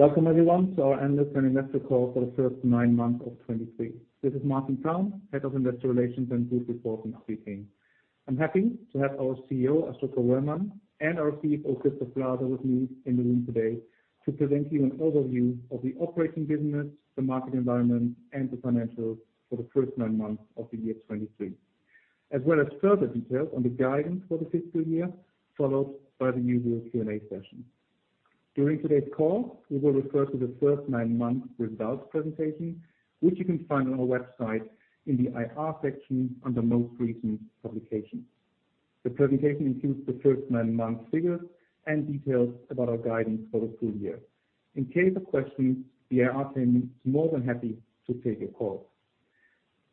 Welcome everyone to our annual financial call for the first nine months of 2023. This is Martin Praum, Head of Investor Relations and Group Reporting speaking. I'm happy to have our CEO, Asoka Wöhrmann, and our CFO, Christoph Glaser, with me in the room today to present you an overview of the operating business, the market environment, and the financials for the first nine months of the year 2023. As well as further details on the guidance for the fiscal year, followed by the usual Q&A session. During today's call, we will refer to the first nine months results presentation, which you can find on our website in the IR section, on the most recent publication. The presentation includes the first nine months figures and details about our guidance for the full year. In case of questions, we are more than happy to take your call.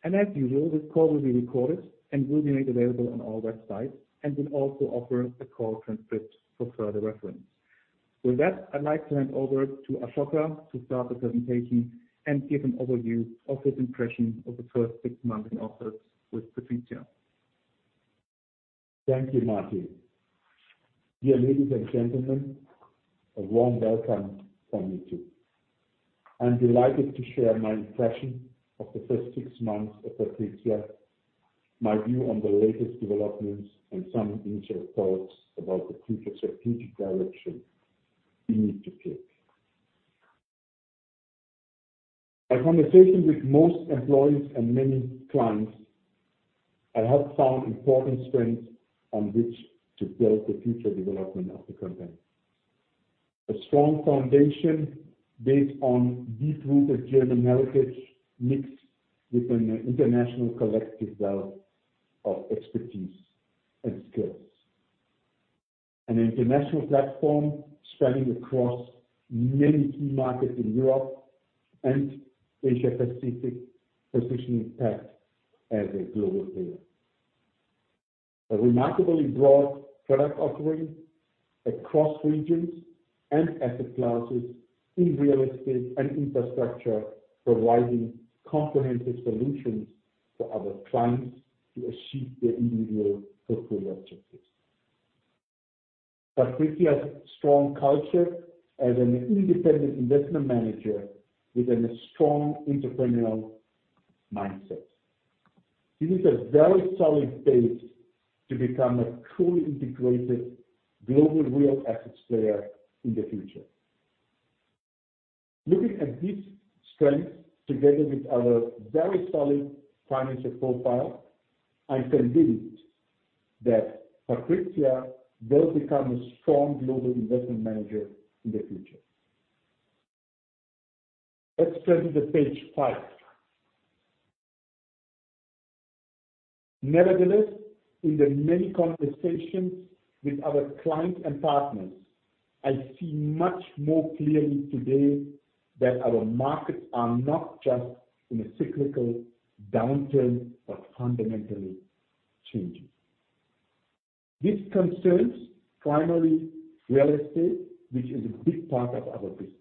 As usual, this call will be recorded and will be made available on our website, and we'll also offer a call transcript for further reference. With that, I'd like to hand over to Asoka Wöhrmann to start the presentation and give an overview of his impression of the first six months in office with PATRIZIA. Thank you, Martin. Dear ladies and gentlemen, a warm welcome from me, too. I'm delighted to share my impression of the first six months of PATRIZIA, my view on the latest developments, and some initial thoughts about the future strategic direction we need to take. My conversation with most employees and many clients, I have found important strengths on which to build the future development of the company. A strong foundation based on deep-rooted German heritage, mixed with an international collective wealth of expertise and skills. An international platform spanning across many key markets in Europe and Asia Pacific, positioning PATRIZIA as a global player. A remarkably broad product offering across regions and asset classes in real estate and infrastructure, providing comprehensive solutions to our clients to achieve their individual portfolio objectives. PATRIZIA has a strong culture as an independent investment manager with a strong entrepreneurial mindset. This is a very solid base to become a truly integrated global real assets player in the future. Looking at these strengths, together with our very solid financial profile, I'm convinced that PATRIZIA will become a strong global investment manager in the future. Let's turn to page 5. Nevertheless, in the many conversations with our clients and partners, I see much more clearly today that our markets are not just in a cyclical downturn, but fundamentally changing. This concerns primarily real estate, which is a big part of our business.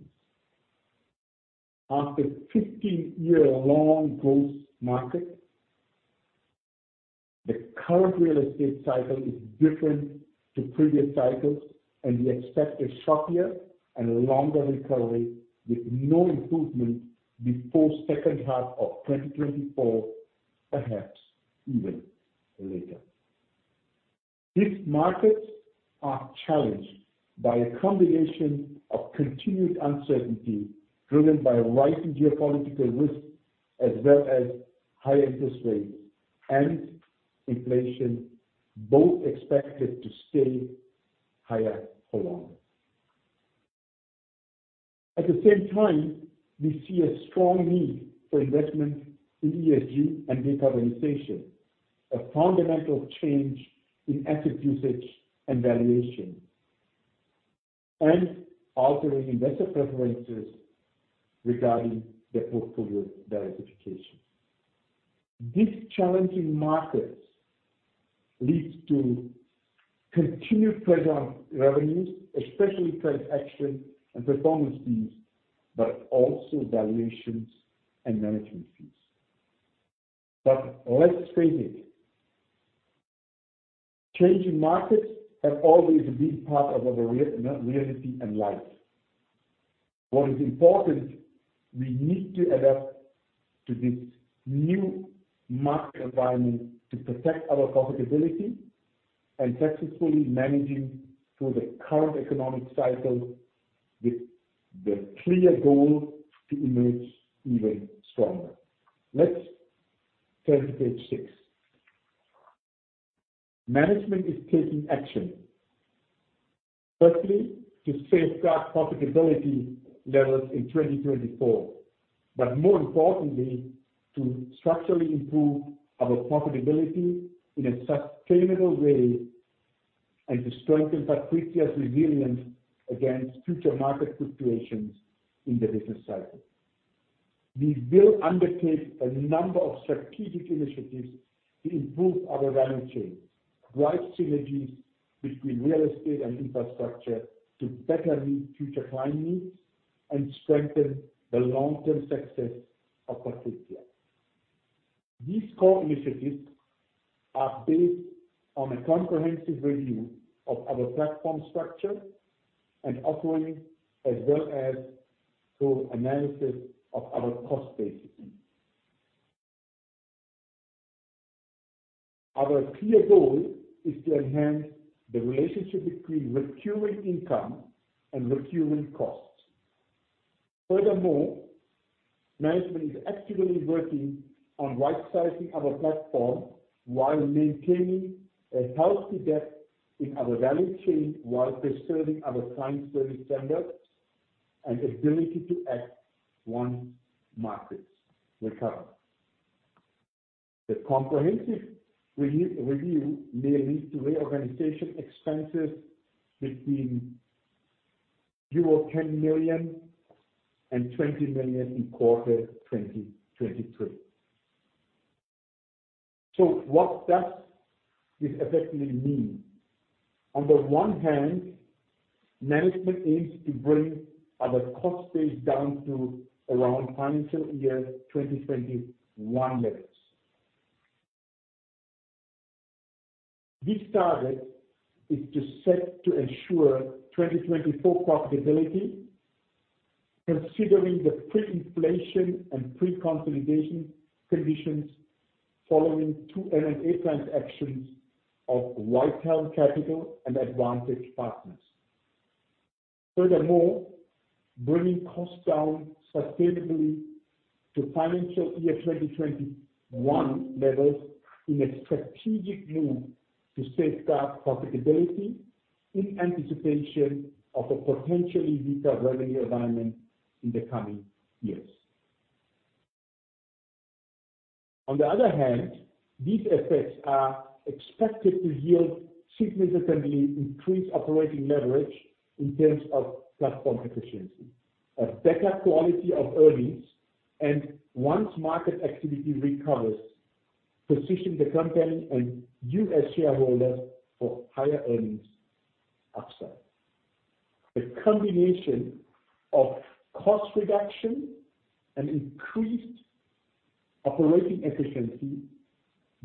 After 15-year-long growth market, the current real estate cycle is different to previous cycles, and we expect a sharp year and longer recovery, with no improvement before second half of 2024, perhaps even later. These markets are challenged by a combination of continued uncertainty, driven by rising geopolitical risks, as well as high interest rates and inflation, both expected to stay higher for longer. At the same time, we see a strong need for investment in ESG and decarbonization, a fundamental change in asset usage and valuation, and altering investor preferences regarding the portfolio diversification. These challenging markets leads to continued pressure on revenues, especially transaction and performance fees, but also valuations and management fees. But let's face it, changing markets are always a big part of our real reality and life. What is important, we need to adapt to this new market environment to protect our profitability and successfully managing through the current economic cycle with the clear goal to emerge even stronger. Let's turn to page six. Management is taking action. Firstly, to safeguard profitability levels in 2024, but more importantly, to structurally improve our profitability in a sustainable way and to strengthen PATRIZIA's resilience against future market fluctuations in the business cycle. We will undertake a number of strategic initiatives to improve our value chain, drive synergies between real estate and infrastructure to better meet future client needs and strengthen the long-term success of PATRIZIA.... These core initiatives are based on a comprehensive review of our platform structure and operating, as well as through analysis of our cost bases. Our clear goal is to enhance the relationship between recurring income and recurring costs. Furthermore, management is actively working on right-sizing our platform while maintaining a healthy depth in our value chain, while preserving our client service standards and ability to act once markets recover. The comprehensive review may lead to reorganization expenses between euro 10 million and 20 million in fourth quarter 2023. So what does this effectively mean? On the one hand, management aims to bring our cost base down to around financial year 2021 levels. This target is set to ensure 2024 profitability, considering the pre-inflation and pre-consolidation conditions following two M&A transactions of Whitehelm Capital and Advantage Partners. Furthermore, bringing costs down sustainably to financial year 2021 levels is a strategic move to safeguard profitability in anticipation of a potentially weaker revenue environment in the coming years. On the other hand, these effects are expected to yield significantly increased operating leverage in terms of platform efficiency, a better quality of earnings, and once market activity recovers, position the company and you as shareholders for higher earnings upside. A combination of cost reduction and increased operating efficiency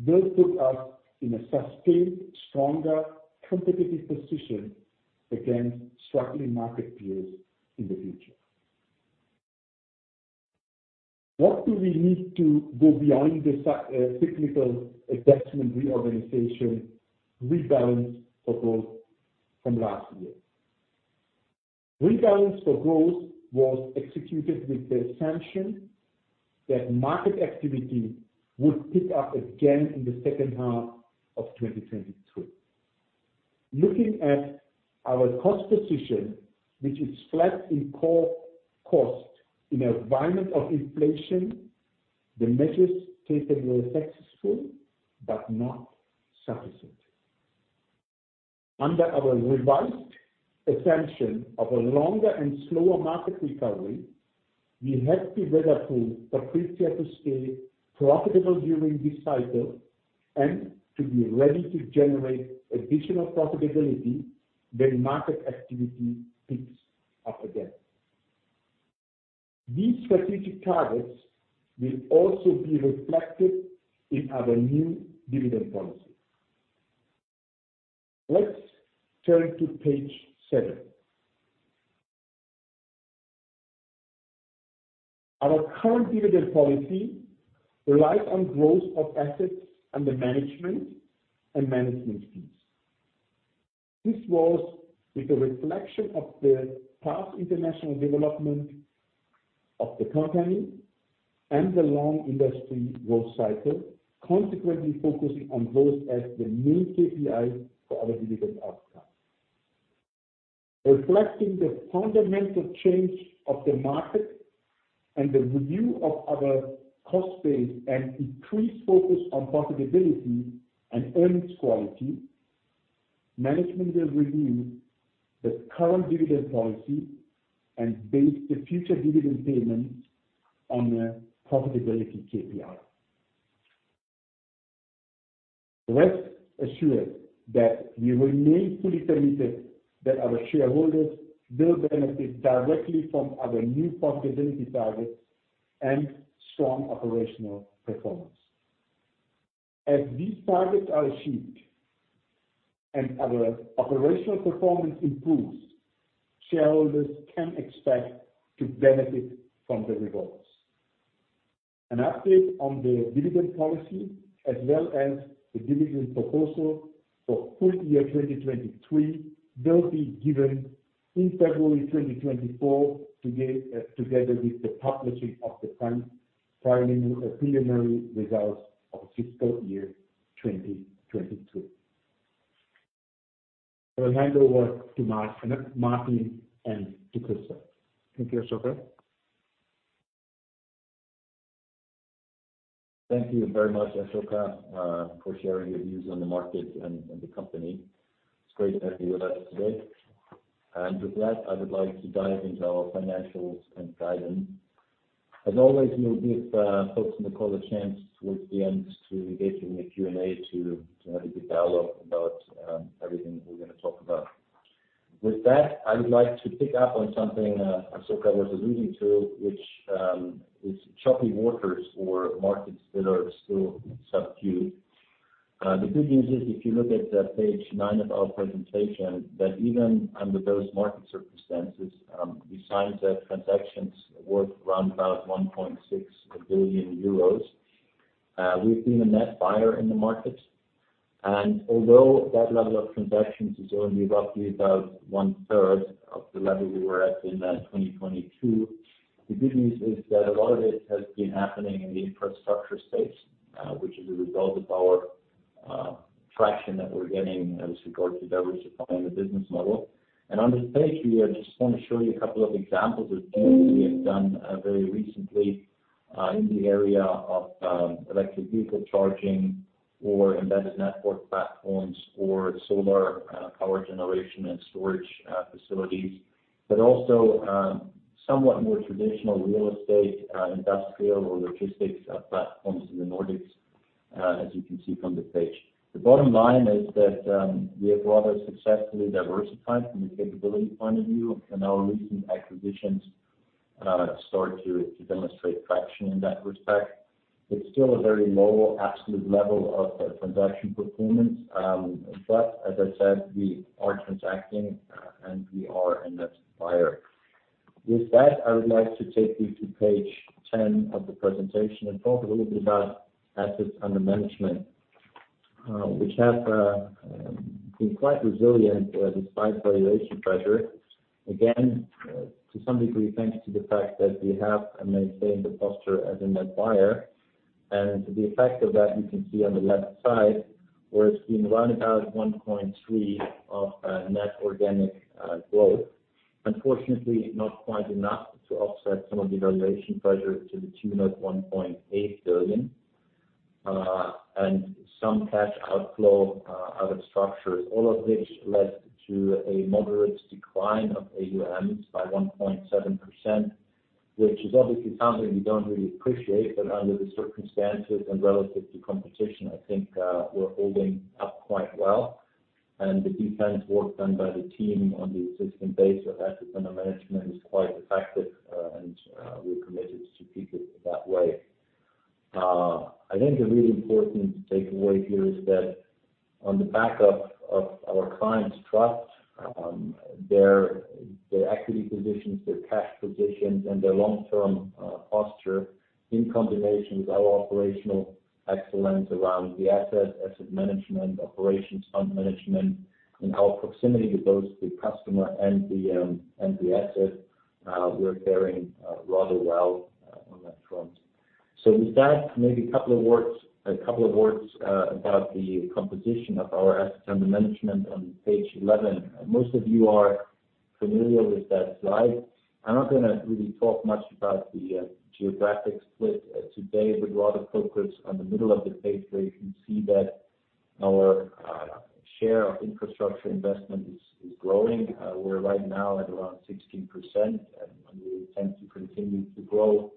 will put us in a sustained, stronger competitive position against struggling market peers in the future. What do we need to go beyond the cyclical adjustment reorganization, Rebalance for Growth from last year? Rebalance for Growth was executed with the assumption that market activity would pick up again in the second half of 2022. Looking at our cost position, which is flat in core costs in an environment of inflation, the measures taken were successful but not sufficient. Under our revised assumption of a longer and slower market recovery, we have to weather through the pre-crisis period, profitable during this cycle, and to be ready to generate additional profitability when market activity picks up again. These strategic targets will also be reflected in our new dividend policy. Let's turn to page seven. Our current dividend policy relies on growth of assets under management and management fees. This was with a reflection of the past international development of the company and the long industry growth cycle, consequently focusing on growth as the main KPI for our dividend outcome. Reflecting the fundamental change of the market and the review of our cost base and increased focus on profitability and earnings quality, management will review the current dividend policy and base the future dividend payments on a profitability KPI. Rest assured that we remain fully committed, that our shareholders will benefit directly from our new profitability targets and strong operational performance. As these targets are achieved and our operational performance improves, shareholders can expect to benefit from the rewards. An update on the dividend policy, as well as the dividend proposal for full year 2023, will be given in February 2024, together with the publishing of the current preliminary results of fiscal year 2022. I will hand over to Martin Praum and to Christoph Glaser. Thank you, Asoka. Thank you very much, Asoka, for sharing your views on the market and the company. It's great to have you with us today. With that, I would like to dive into our financials and guidance. As always, we'll give folks on the call a chance towards the end to engage in the Q&A, to have a good dialogue about everything we're gonna talk about. With that, I would like to pick up on something Hans-Ulrich was alluding to, which is choppy waters or markets that are still subdued. The good news is, if you look at the page nine of our presentation, that even under those market circumstances, we signed transactions worth around about 1.6 billion euros. We've been a net buyer in the market. Although that level of transactions is only roughly about one third of the level we were at in 2022, the good news is that a lot of it has been happening in the infrastructure space, which is a result of our traction that we're getting as regards to diversifying the business model. On this page here, I just want to show you a couple of examples of deals we have done very recently in the area of electric vehicle charging or embedded network platforms or solar power generation and storage facilities. But also, somewhat more traditional real estate, industrial or logistics platforms in the Nordics, as you can see from this page. The bottom line is that we have rather successfully diversified from a capability point of view, and our recent acquisitions start to demonstrate traction in that respect. It's still a very low absolute level of transaction performance, but as I said, we are transacting, and we are a net buyer. With that, I would like to take you to page 10 of the presentation and talk a little bit about assets under management, which have been quite resilient despite valuation pressure. Again, to some degree, thanks to the fact that we have and maintain the posture as a net buyer. And the effect of that you can see on the left side, where it's been around about 1.3% net organic growth. Unfortunately, not quite enough to offset some of the valuation pressure to the tune of 1.8 billion, and some cash outflow out of structures, all of which led to a moderate decline of AUMs by 1.7%, which is obviously something we don't really appreciate, but under the circumstances and relative to competition, I think, we're holding up quite well. And the defense work done by the team on the existing base of assets under management is quite effective, and, we're committed to keep it that way. I think the really important takeaway here is that on the back of our clients' trust, their equity positions, their cash positions, and their long-term posture in combination with our operational excellence around the asset management, operations, fund management, and our proximity to both the customer and the asset, we're faring rather well on that front. So with that, maybe a couple of words about the composition of our assets under management on page 11. Most of you are familiar with that slide. I'm not gonna really talk much about the geographic split today. We'd rather focus on the middle of the page, where you can see that our share of infrastructure investment is growing. We're right now at around 16%, and we intend to continue to grow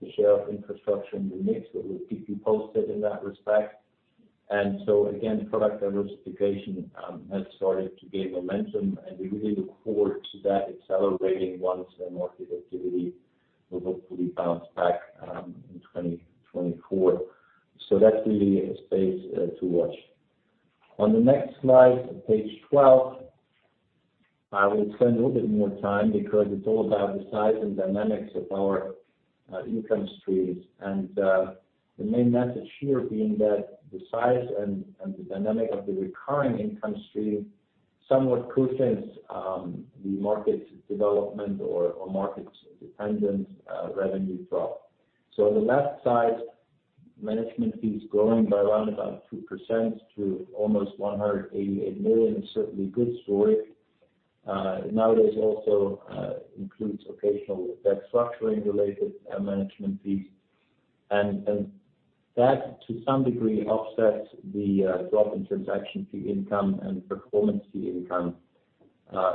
the share of infrastructure in the mix. We will keep you posted in that respect. So again, product diversification has started to gain momentum, and we really look forward to that accelerating once the market activity will hopefully bounce back in 2024. So that's really a space to watch. On the next slide, page 12, I will spend a little bit more time because it's all about the size and dynamics of our income streams. The main message here being that the size and the dynamic of the recurring income stream somewhat cushions the market development or market dependent revenue drop. So on the left side, management fees growing by around about 2% to almost 188 million is certainly a good story. Nowadays also includes occasional debt structuring related management fees. And that, to some degree, offsets the drop in transaction fee income and performance fee income.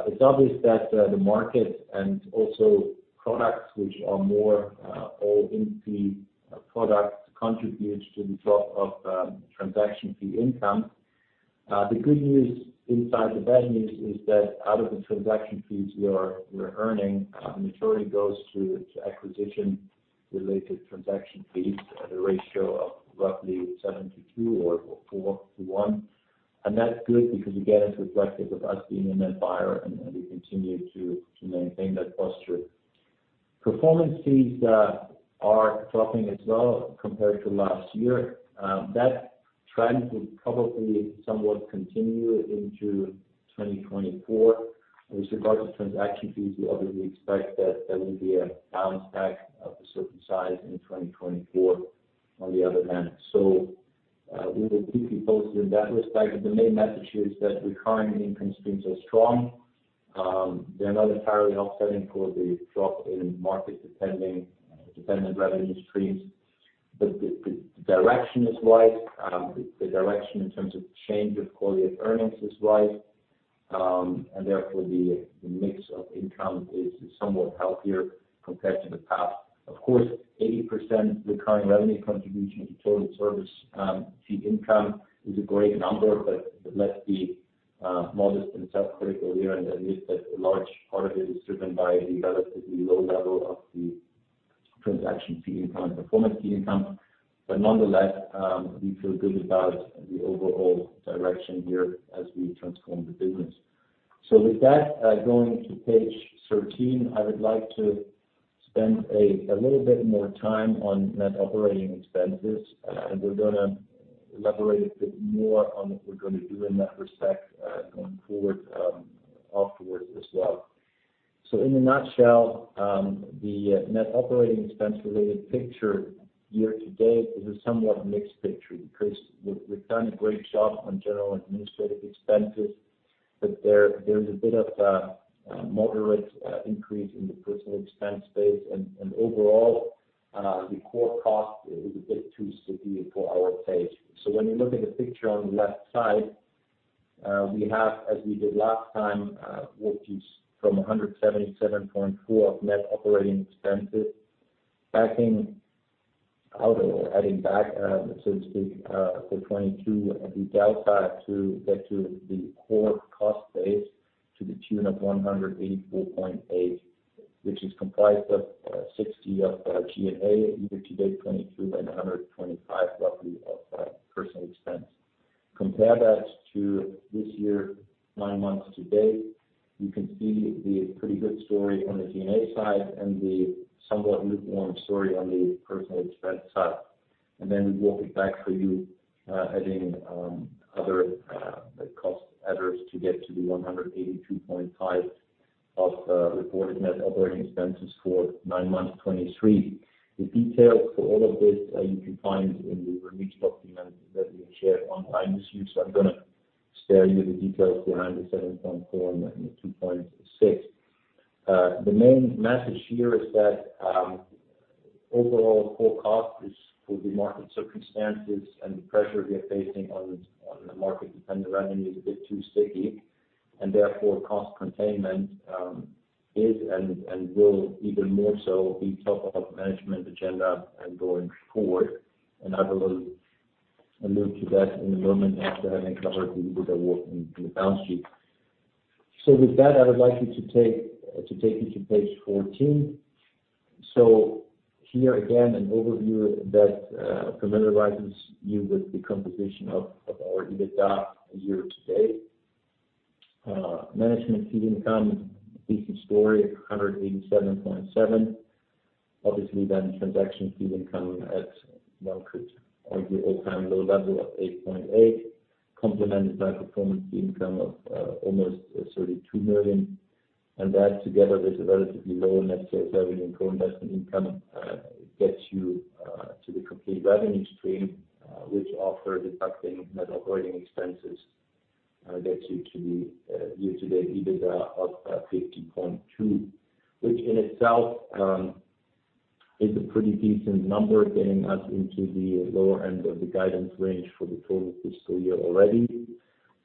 It's obvious that the market and also products, which are more all-in fee products, contributes to the drop of transaction fee income. The good news inside the bad news is that out of the transaction fees we're earning, a majority goes to acquisition-related transaction fees at a ratio of roughly 7:2 or 4:1. And that's good because, again, it's reflective of us being a net buyer, and we continue to maintain that posture. Performance fees are dropping as well compared to last year. That trend will probably somewhat continue into 2024. With regard to transaction fees, we obviously expect that there will be a bounce back of a certain size in 2024 on the other end. So, we will keep you posted in that respect. But the main message here is that recurring income streams are strong. They're not entirely offsetting for the drop in market-depending, dependent revenue streams, but the direction is right. The direction in terms of change of quality of earnings is right. And therefore, the mix of income is somewhat healthier compared to the past. Of course, 80% recurring revenue contribution to total service fee income is a great number, but let's be modest and self-critical here and admit that a large part of it is driven by the relatively low level of the transaction fee income and performance fee income. But nonetheless, we feel good about the overall direction here as we transform the business. So with that, going to page 13, I would like to spend a little bit more time on net operating expenses, and we're gonna elaborate a bit more on what we're going to do in that respect, going forward, afterwards as well. So in a nutshell, the net operating expense related picture year-to-date is a somewhat mixed picture because we've done a great job on general administrative expenses, but there is a bit of a moderate increase in the personnel expense base. And overall, the core cost is a bit too sticky for our taste. So when you look at the picture on the left side, we have, as we did last time, which is from 177.4 million of net operating expenses, backing out or adding back, so to speak, the 2022 and the delta to get to the core cost base to the tune of 184.8 million, which is comprised of 60 of G&A, year-to-date 2022 and 125 roughly of personnel expense. Compare that to this year, nine months to date, you can see the pretty good story on the G&A side and the somewhat lukewarm story on the personnel expense side. Then we walk it back for you, adding other cost adders to get to the 182.5 million of reported net operating expenses for nine months, 2023. The details for all of this, you can find in the release document that we shared online this year, so I'm gonna spare you the details behind the 7.4 million and the 2.6 million. The main message here is that overall core cost is, for the market circumstances and the pressure we are facing on the market-dependent revenue, a bit too sticky, and therefore, cost containment is and will even more so be top of management agenda going forward. I will allude to that in a moment after having covered a little bit of work in the balance sheet. With that, I would like to take you to page 14. Here again, an overview that familiarizes you with the composition of our EBITDA year-to-date. Management fee income, decent story at 187.7 million. Obviously, then transaction fee income at could all-time low level of 8.8 million, complemented by performance fee income of almost 32 million. That together with a relatively low net fair value and co-investment income gets you to the complete revenue stream, which after deducting net operating expenses gets you to the year-to-date EBITDA of 50.2 million. Which in itself is a pretty decent number, getting us into the lower end of the guidance range for the total fiscal year already.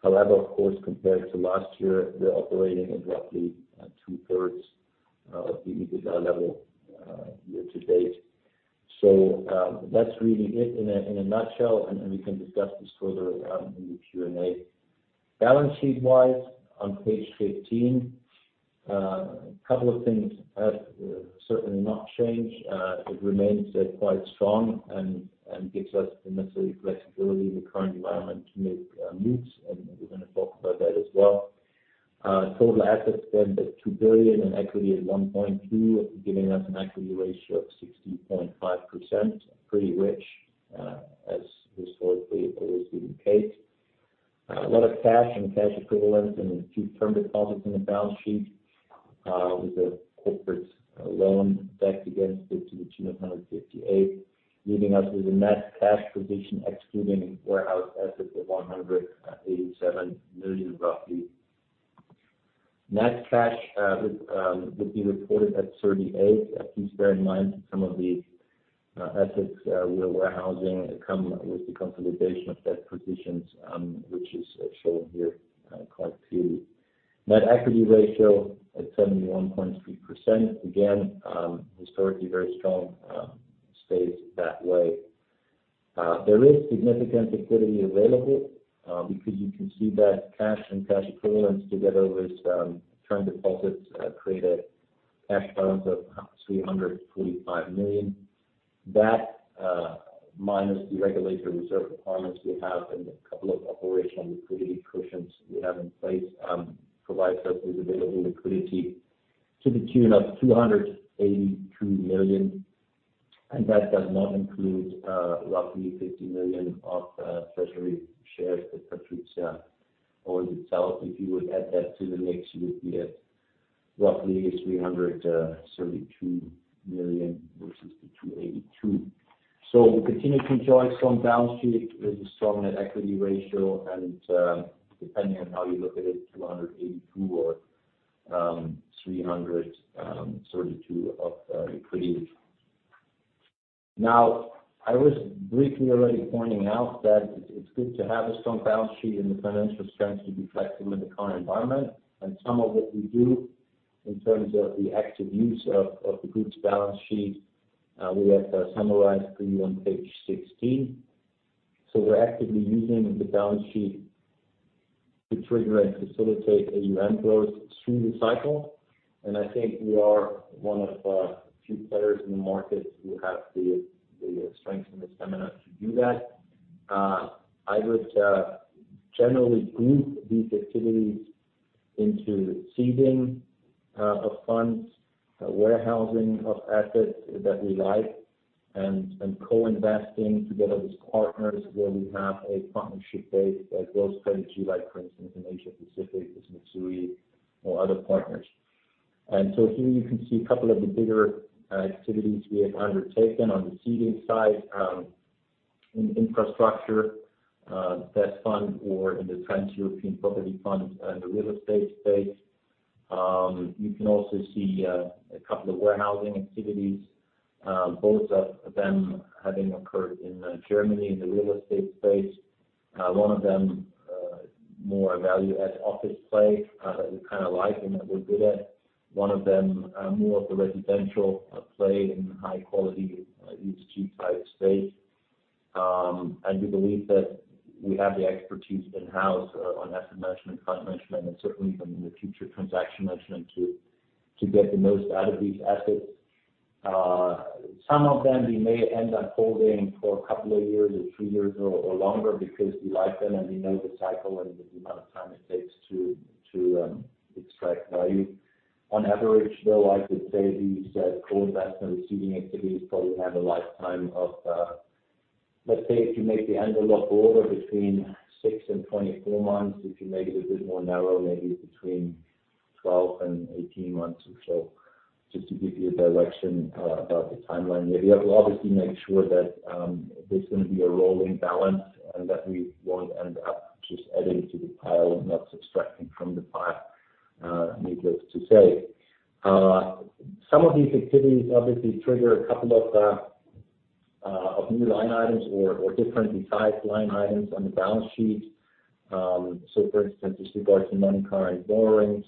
However, of course, compared to last year, we're operating at roughly two-thirds of the EBITDA level year-to-date. That's really it in a nutshell, and we can discuss this further in the Q&A. Balance sheet-wise, on page 15, couple of things have certainly not changed. It remains quite strong and gives us the necessary flexibility in the current environment to make moves, and we're gonna talk about that as well. Total assets stand at 2 billion, and equity at 1.2 billion, giving us an equity ratio of 60.5%, pretty rich, as historically it has been the case. A lot of cash and cash equivalents and a few term deposits in the balance sheet, with a corporate loan backed against it to the tune of 158 million, leaving us with a net cash position excluding warehouse assets of 187 million, roughly. Net cash would be reported at 38 million. Please bear in mind some of the assets we are warehousing come with the consolidation of debt positions, which is shown here, quite clearly. Net equity ratio at 71.3%, again, historically very strong, stays that way. There is significant liquidity available, because you can see that cash and cash equivalents together with term deposits create a cash balance of 345 million. That, minus the regulatory reserve requirements we have and a couple of operational liquidity cushions we have in place, provides us with available liquidity to the tune of 282 million, and that does not include roughly 50 million of treasury shares that PATRIZIA owns itself. If you would add that to the mix, you would be at roughly 332 million versus the 282 million. So we continue to enjoy a strong balance sheet with a strong net equity ratio and, depending on how you look at it, 282 million or 332 million of liquidity. Now, I was briefly already pointing out that it's good to have a strong balance sheet and the financial strength to be flexible in the current environment. And some of what we do in terms of the active use of the group's balance sheet, we have summarized for you on page 16. So we're actively using the balance sheet to trigger and facilitate AUM growth through the cycle. And I think we are one of few players in the market who have the strength and the stamina to do that. I would generally group these activities into seeding of funds, warehousing of assets that we like, and co-investing together with partners where we have a partnership base that goes back to, like, for instance, in Asia Pacific with Mitsui or other partners. And so here you can see a couple of the bigger activities we have undertaken on the seeding side, in infrastructure, debt fund or in the TransEuropean Property Fund, the real estate space. You can also see a couple of warehousing activities, both of them having occurred in Germany in the real estate space. One of them, more a value add office play, that we kind of like and that we're good at. One of them, more of the residential play in high quality, ESG type space. And we believe that we have the expertise in-house, on asset management, fund management, and certainly even in the future, transaction management, to get the most out of these assets. Some of them we may end up holding for a couple of years or three years or, or longer because we like them, and we know the cycle and the amount of time it takes to extract value. On average, though, I would say these co-investment or seeding activities probably have a lifetime of, let's say, if you make the envelope broader, between six and 24 months, if you make it a bit more narrow, maybe it's between 12 and 18 months or so, just to give you a direction about the timeline. We have to obviously make sure that there's going to be a rolling balance and that we won't end up just adding to the pile and not subtracting from the pile, needless to say. Some of these activities obviously trigger a couple of new line items or differently sized line items on the balance sheet. So for instance, this regards to non-current borrowings,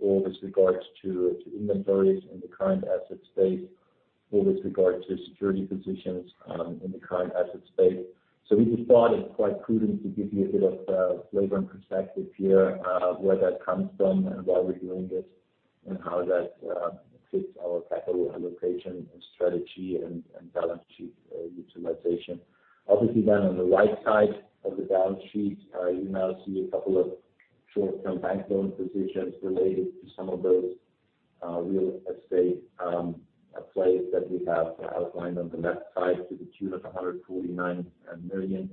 or this regards to inventories in the current asset space, or this regard to security positions in the current asset space. So we just thought it quite prudent to give you a bit of flavor and perspective here, where that comes from and why we're doing it, and how that fits our capital allocation and strategy and balance sheet utilization. Obviously, then on the right side of the balance sheet, you now see a couple of short-term bank loan positions related to some of those real estate plays that we have outlined on the left side to the tune of 149 million.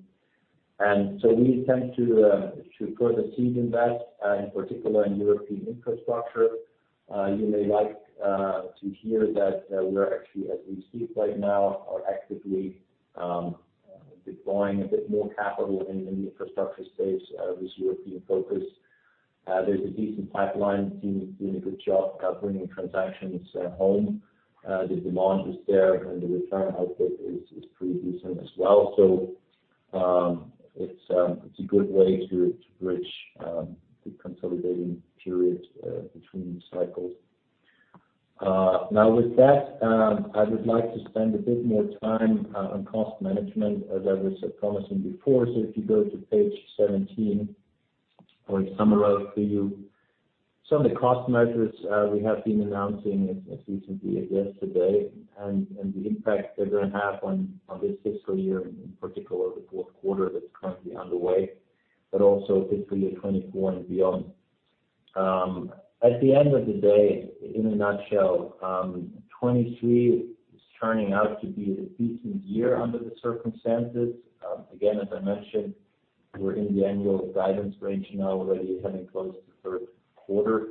And so we intend to further seed invest, in particular in European infrastructure. You may like to hear that we are actually, as we speak right now, actively deploying a bit more capital in the infrastructure space with European focus. There's a decent pipeline, team doing a good job of bringing transactions home. The demand is there, and the return output is pretty decent as well. So, it's a good way to bridge the consolidating period between cycles. Now with that, I would like to spend a bit more time on cost management, as I was promising before. So if you go to page 17, I summarized for you some of the cost measures we have been announcing as recently as yesterday, and the impact they're going to have on this fiscal year, in particular the fourth quarter that's currently underway, but also fiscal year 2024 and beyond. At the end of the day, in a nutshell, 2023 is turning out to be a decent year under the circumstances. Again, as I mentioned, we're in the annual guidance range now, already having closed the third quarter.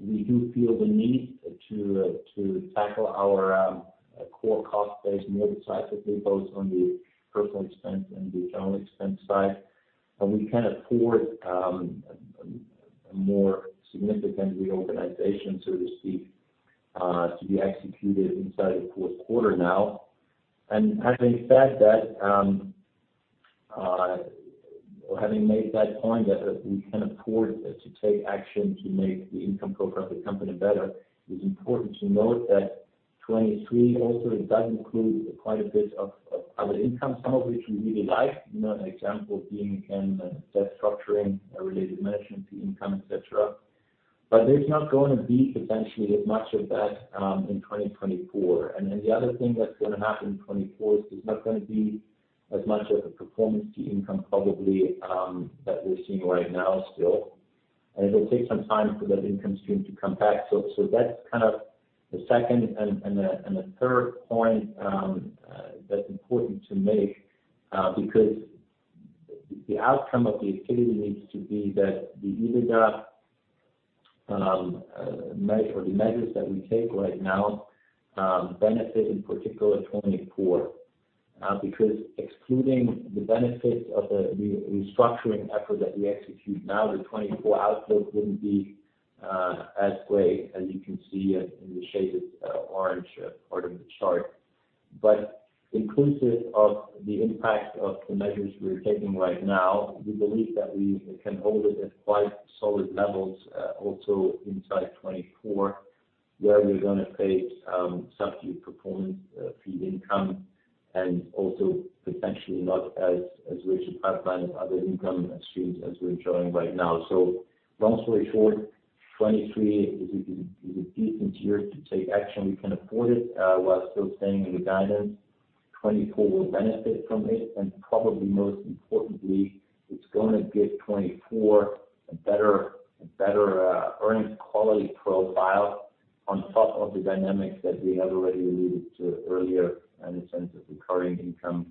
We do feel the need to tackle our core cost base more decisively, both on the personal expense and the general expense side. And we can afford a more significant reorganization, so to speak, to be executed inside the fourth quarter now. And having said that, or having made that point, that we can afford to take action to make the income profile of the company better, it's important to note that 2023 also does include quite a bit of other income, some of which we really like. You know, an example being, again, the debt structuring related management fee income, et cetera. But there's not going to be potentially as much of that in 2024. And then the other thing that's going to happen in 2024 is there's not going to be as much of a performance fee income probably that we're seeing right now still, and it will take some time for that income stream to come back. That's kind of the second and third point that's important to make, because the outcome of the activity needs to be that the EBITDA measure-- or the measures that we take right now benefit in particular 2024. Because excluding the benefits of the restructuring effort that we execute now, the 2024 outlook wouldn't be as great as you can see in the shaded orange part of the chart. But inclusive of the impact of the measures we're taking right now, we believe that we can hold it at quite solid levels also inside 2024, where we're gonna pay substitute performance fee income and also potentially not as rich a pipeline of other income streams as we're showing right now. So long story short, 2023 is a decent year to take action. We can afford it while still staying in the guidance. 2024 will benefit from it, and probably most importantly, it's gonna give 2024 a better earnings quality profile on top of the dynamics that we have already alluded to earlier in the sense of recurring income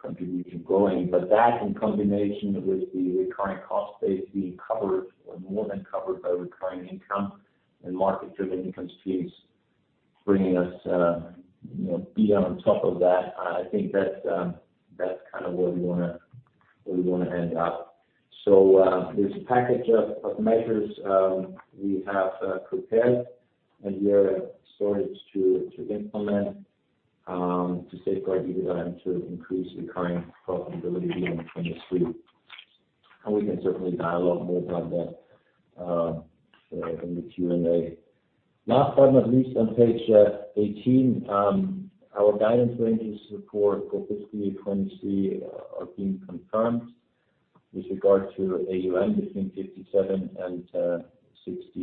contribution growing. But that in combination with the recurring cost base being covered or more than covered by recurring income and market-driven income streams bringing us, you know, be on top of that, I think that's kind of where we wanna end up. So there's a package of measures we have prepared and we are starting to implement to safeguard EBITDA and to increase recurring profitability in 2023. And we can certainly dialogue more on that in the Q&A. Last but not least, on page 18, our guidance ranges for fiscal year 2023 are being confirmed with regard to AUM between 57 billion and 62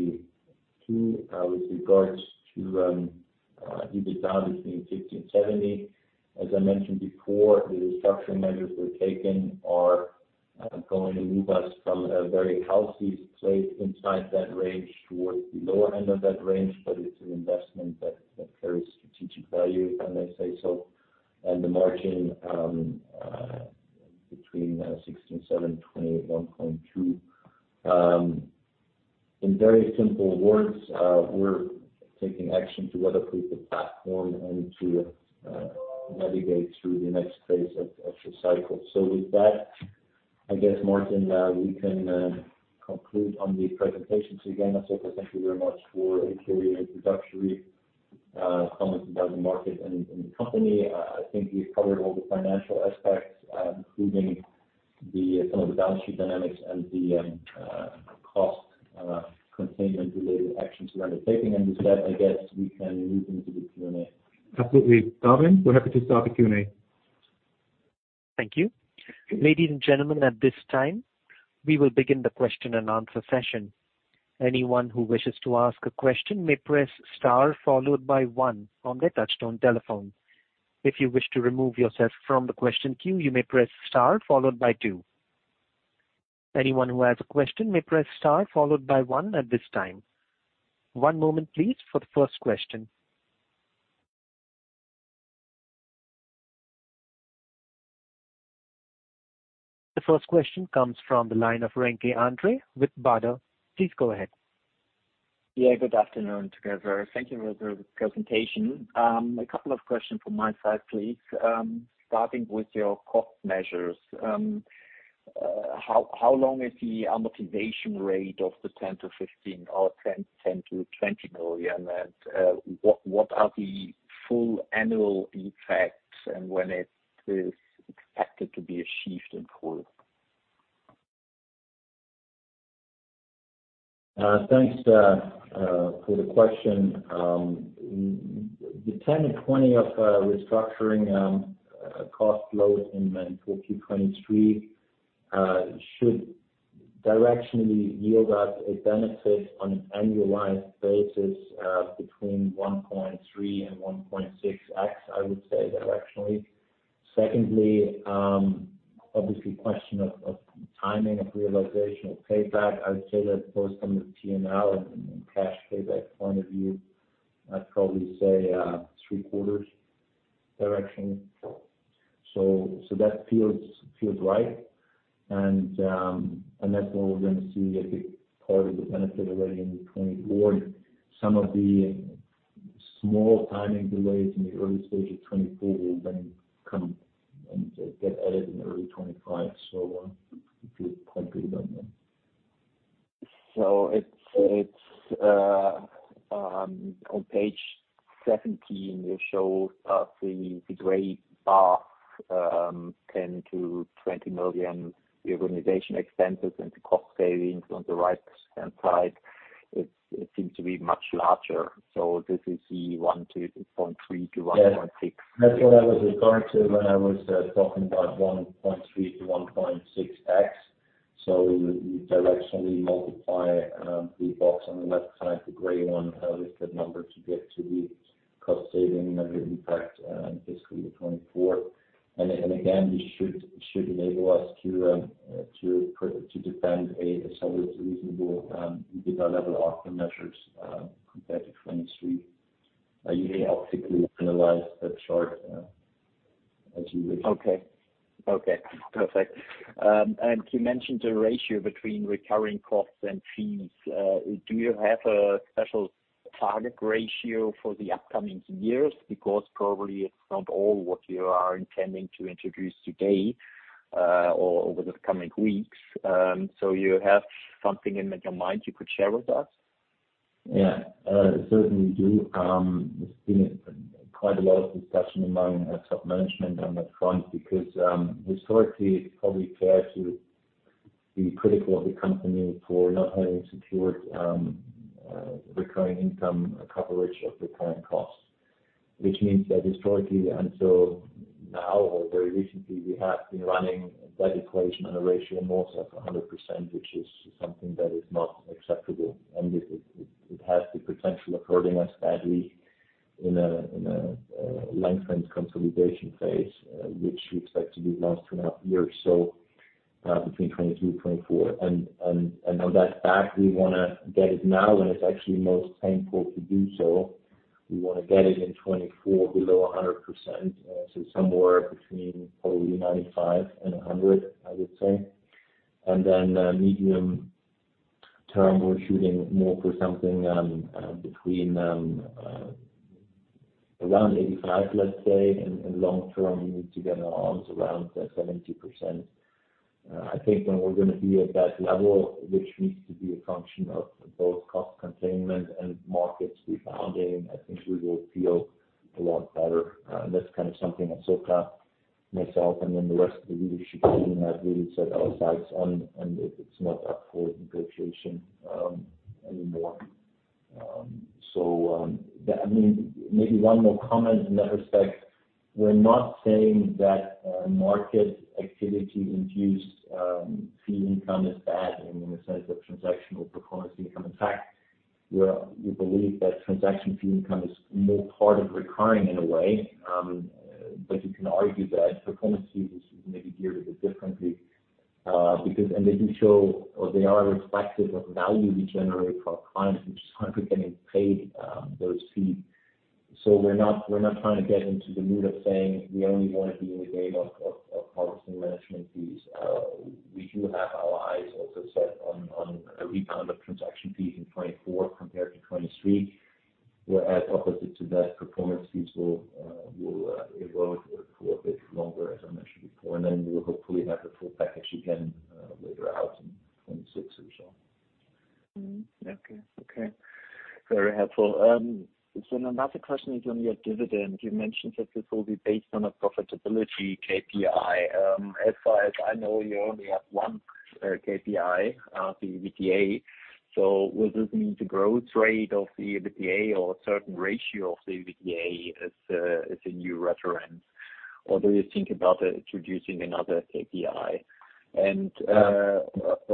billion. With regards to EBITDA between 50 million andEUR 70 million. As I mentioned before, the restructuring measures we've taken are going to move us from a very healthy place inside that range towards the lower end of that range, but it's an investment that carries strategic value, and I say so. And the margin between 16.7%, 21.2%. In very simple words, we're taking action to weatherproof the platform and to navigate through the next phase of the cycle. So with that, I guess, Martin, we can conclude on the presentation. So again, I say thank you very much for a clear introductory comments about the market and the company. I think we've covered all the financial aspects, including some of the balance sheet dynamics and the cost containment related actions we're undertaking. And with that, I guess we can move into the Q&A. Absolutely. Darwin, we're happy to start the Q&A. Thank you. Ladies and gentlemen, at this time, we will begin the question-and-answer session. Anyone who wishes to ask a question may press star followed by one on their touchtone telephone. If you wish to remove yourself from the question queue, you may press star followed by two. Anyone who has a question may press star followed by one at this time. One moment, please, for the first question. The first question comes from the line of Remke Andre with Baader. Please go ahead. Yeah, good afternoon, together. Thank you for the presentation. A couple of questions from my side, please. Starting with your cost measures. How long is the amortization rate of the 10 million-15 million or 10 million-20 million? And, what are the full annual effects and when it is expected to be achieved in full? Thanks for the question. The 10 million-20 million of restructuring cost load in then 4Q 2023 should directionally yield us a benefit on an annualized basis between 1.3x and 1.6x, I would say, directionally. Secondly, obviously, question of timing of realization of payback. I would say that both from the P&L and cash payback point of view, I'd probably say three quarters direction. So that feels right. And that's where we're going to see, I think, part of the benefit already in 2024. Some of the small timing delays in the early stage of 2024 will then come and get added in early 2025. So it feels quite good on them. It's on page 17, you show the gray bar, 10 million-20 million reorganization expenses and the cost savings on the right-hand side. It seems to be much larger. So this is the 1.3 to 1.6. Yeah. That's what I was referring to when I was talking about 1.3 to 1.6x. So you directionally multiply the box on the left side, the gray one, with the number to get to the cost saving and the impact in fiscal year 2024. And again, this should enable us to defend a solid, reasonable EBITDA level after measures compared to 2023. You may optically analyze that chart as you wish. Okay. Okay, perfect. You mentioned the ratio between recurring costs and fees. Do you have a special target ratio for the upcoming years? Because probably it's not all what you are intending to introduce today, or over the coming weeks. You have something in your mind you could share with us? Yeah, certainly do. There's been quite a lot of discussion among top management on that front because historically, it's probably fair to be critical of the company for not having secured recurring income coverage of recurring costs, which means that historically, until now or very recently, we have been running that equation on a ratio north of 100%, which is something that is not acceptable, and it has the potential of hurting us badly in a lengthy consolidation phase, which we expect to be the last 2.5 years or so, between 2022, 2024. And on that fact, we want to get it now when it's actually most painful to do so. We want to get it in 2024 below 100%, so somewhere between probably 95% and 100%, I would say. And then, medium term, we're shooting more for something between around 85%, let's say, and long term, we need to get our arms around 70%. I think when we're gonna be at that level, which needs to be a function of both cost containment and markets rebounding, I think we will feel a lot better. And that's kind of something that so far, myself and then the rest of the leadership team have really set our sights on, and it's not up for negotiation anymore. So, that. I mean, maybe one more comment in that respect. We're not saying that market activity infused fee income is bad, I mean, in the sense of transactional performance income. In fact, we are we believe that transaction fee income is more part of recurring in a way, but you can argue that performance fees is maybe geared a bit differently, because and they do show or they are reflective of value we generate for our clients, which is why we're getting paid those fees. So we're not, we're not trying to get into the mood of saying we only want to be in the game of of harvesting management fees. We do have our eyes also set on a rebound of transaction fees in 2024 compared to 2023, whereas opposite to that, performance fees will erode for a bit longer, as I mentioned before. And then we'll hopefully have the full package again, later out in 2026 or so. Mm-hmm. Okay, okay. Very helpful. So another question is on your dividend. You mentioned that this will be based on a profitability KPI. As far as I know, you only have one KPI, the EBITDA. So will this mean the growth rate of the EBITDA or a certain ratio of the EBITDA as a new reference? Or do you think about introducing another KPI?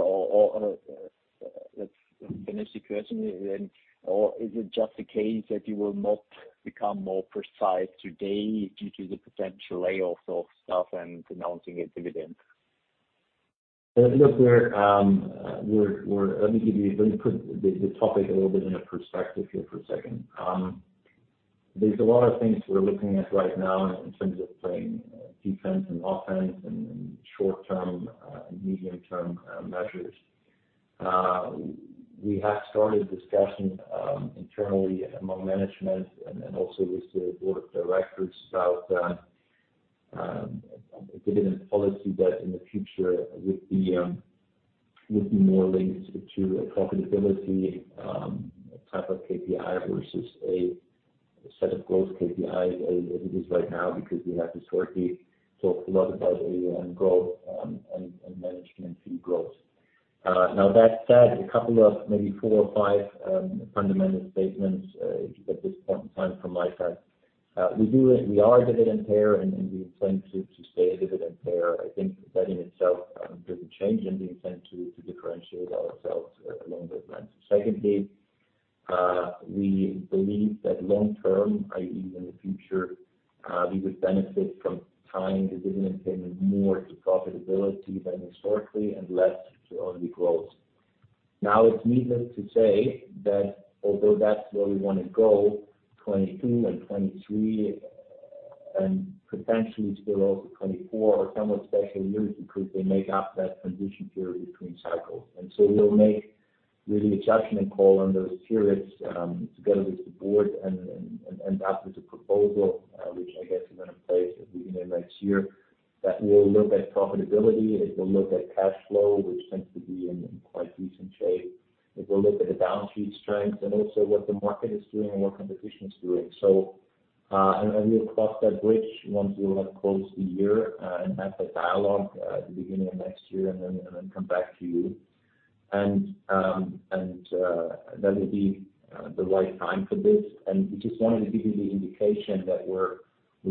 Or, let's finish the question then. Or is it just the case that you will not become more precise today due to the potential layoffs of staff and announcing a dividend? Look, we're... Let me give you- let me put the topic a little bit in a perspective here for a second. There's a lot of things we're looking at right now in terms of playing defense and offense and short term and medium term measures. We have started discussions internally among management and also with the board of directors about a dividend policy that in the future would be more linked to a profitability type of KPI versus a set of growth KPIs as it is right now, because we have historically talked a lot about AUM growth and management fee growth. Now, that said, a couple of maybe four or five fundamental statements at this point in time from my side. We do, we are a dividend payer, and we intend to stay a dividend payer. I think that in itself doesn't change and the intent to differentiate ourselves along those lines. Secondly, we believe that long term, i.e., in the future, we would benefit from tying the dividend payment more to profitability than historically and less to only growth. Now, it's needless to say that although that's where we want to go, 2022 and 2023, and potentially spill over to 2024, are somewhat special years because they make up that transition period between cycles. And so we'll make really a judgment call on those periods, together with the board and after the proposal, which I guess is in place at the beginning of next year, that we'll look at profitability, it will look at cash flow, which tends to be in quite decent shape. It will look at the balance sheet strength and also what the market is doing and what competition is doing. So, we'll cross that bridge once we will have closed the year, and have that dialogue at the beginning of next year, and then come back to you. And that will be the right time for this. And we just wanted to give you the indication that we're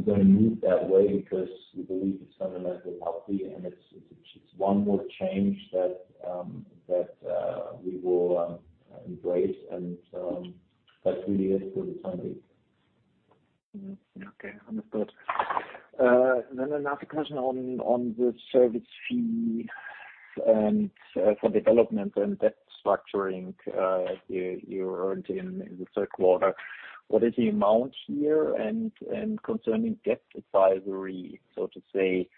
gonna move that way because we believe it's fundamentally healthy, and it's one more change that we will embrace, and that really is for the time being. Mm-hmm. Okay, understood. Then another question on the service fee, and for development and debt structuring, you earned in the third quarter. What is the amount here? And concerning debt advisory, so to say,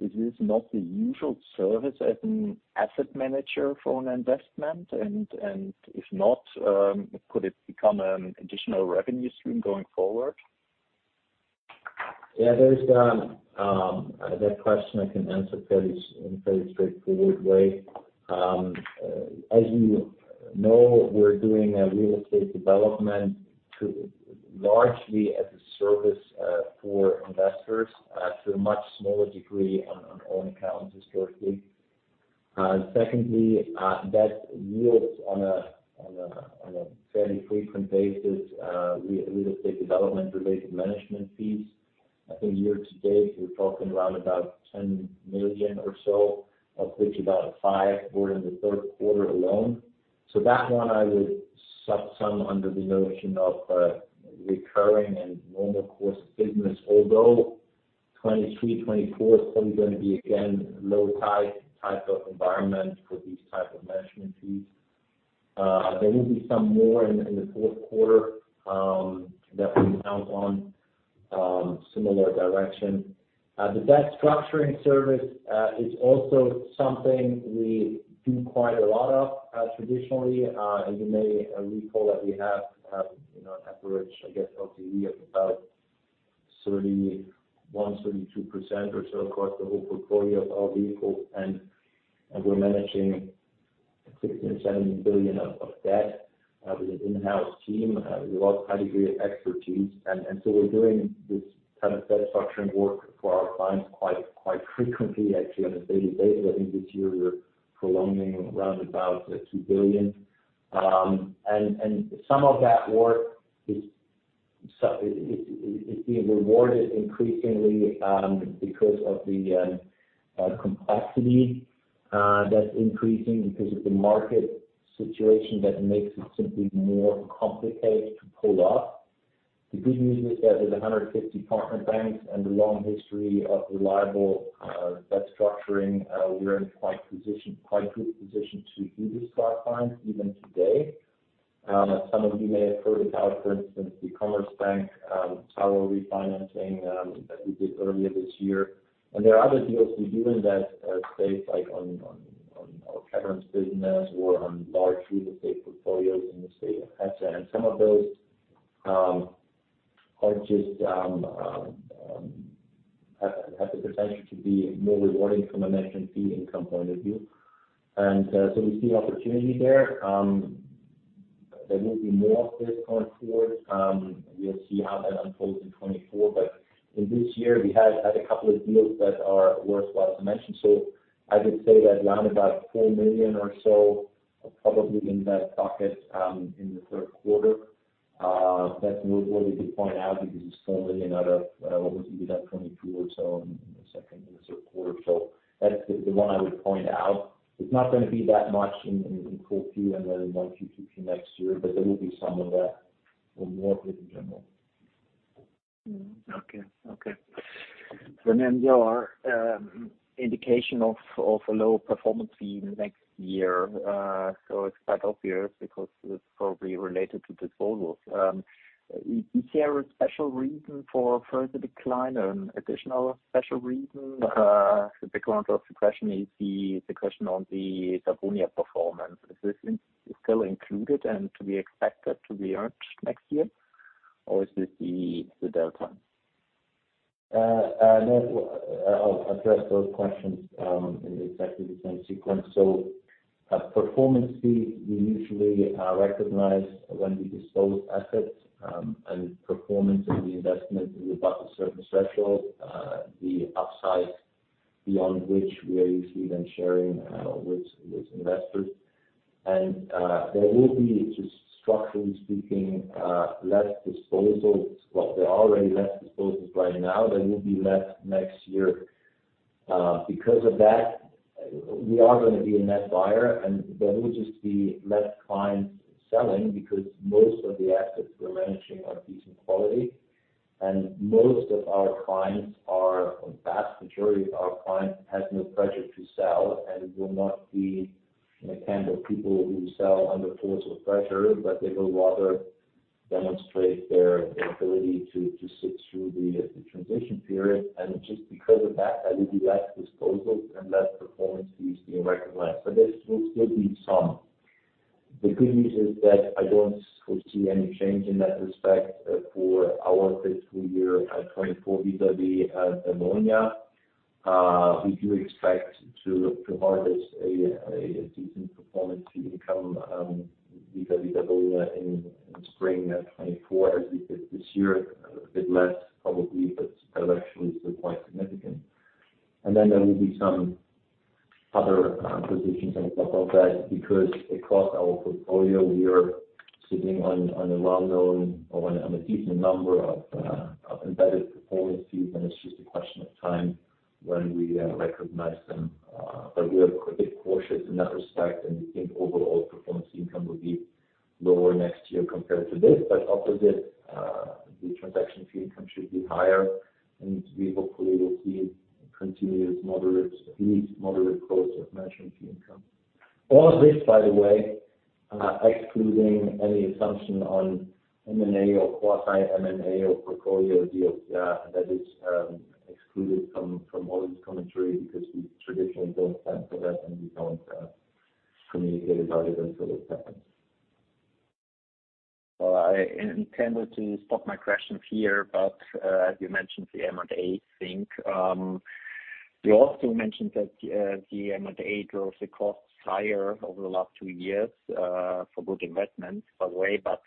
is this not the usual service as an asset manager for an investment? And if not, could it become an additional revenue stream going forward? Yeah, there's that question I can answer fairly, in a fairly straightforward way. As you know, we're doing a real estate development largely as a service for investors, to a much smaller degree on own account historically. Secondly, that yields on a fairly frequent basis real estate development related management fees. I think year to date, we're talking around about 10 million or so, of which about 5 million were in the third quarter alone. So that one I would subsume under the notion of recurring and normal course of business, although 2023, 2024 is probably gonna be, again, low tide type of environment for these type of management fees. There will be some more in the fourth quarter that we count on, similar direction. The debt structuring service is also something we do quite a lot of, traditionally. As you may recall that we have, you know, an average, I guess, LTV of about 31%-32% or so across the whole portfolio of our vehicles. And we're managing 16 billion-17 billion of debt with an in-house team with a lot of high degree of expertise. And so we're doing this kind of debt structuring work for our clients quite frequently, actually on a daily basis. I think this year we're prolonging around about 2 billion. And some of that work is being rewarded increasingly because of the complexity that's increasing because of the market situation that makes it simply more complicated to pull off. The good news is that there's 150 partner banks and a long history of reliable debt structuring. We're in quite good position to do this for our clients even today. Some of you may have heard about, for instance, the Commerzbank Tower refinancing that we did earlier this year. And there are other deals we doing that are safe, like on our caverns business or on large real estate portfolios in the state of Hesse. And some of those are just have the potential to be more rewarding from a management fee income point of view. And so we see opportunity there. There will be more of this going forward. We'll see how that unfolds in 2024, but in this year, we had a couple of deals that are worthwhile to mention. So I would say that around about 4 million or so are probably in that pocket in the third quarter. That's noteworthy to point out because it's only another what was it, about 22 million or so in the second and the third quarter. So that's the one I would point out. It's not gonna be that much in 4Q and then in 1Q next year, but there will be some of that or more in general. Mm-hmm. Okay. Okay. So then there are indication of a lower performance fee in the next year. So it's quite obvious because it's probably related to disposals. Is there a special reason for further decline, additional special reason? The background of the question is the question on the Dawonia performance. Is this still included and to be expected to be earned next year, or is this the delta? No, I'll address those questions in exactly the same sequence. So, performance fee, we usually recognize when we dispose assets, and performance of the investment is above a certain threshold, the upside beyond which we are usually then sharing with investors. And, there will be, just structurally speaking, less disposals. Well, there are already less disposals right now. There will be less next year. Because of that, we are gonna be a net buyer, and there will just be less clients selling because most of the assets we're managing are decent quality. And most of our clients are, a vast majority of our clients, have no pressure to sell and will not be the kind of people who sell under force or pressure, but they will rather demonstrate their ability to sit through the transition period. Just because of that, there will be less disposals and less performance fees being recognized, but there will still be some. The good news is that I don't foresee any change in that respect for our fiscal year at 2024 vis-à-vis Dawonia. We do expect to harvest a decent performance fee income vis-à-vis Dawonia in spring of 2024, as we did this year. A bit less probably, but directionally still quite significant. Then there will be some other positions on top of that, because across our portfolio, we are sitting on a well-known or on a decent number of embedded performance fees, and it's just a question of time when we recognize them. But we are a bit cautious in that respect, and we think overall performance income will be lower next year compared to this. But opposite, the transaction fee income should be higher, and we hopefully will see continuous moderate, at least moderate growth of management fee income. All of this, by the way, excluding any assumption on M&A or quasi M&A or portfolio deals. Yeah, that is excluded from all this commentary because we traditionally don't plan for that, and we don't communicate about it until it happens. Well, I intended to stop my questions here, but as you mentioned, the M&A thing. You also mentioned that the M&A drove the costs higher over the last two years, for good investments, by the way. But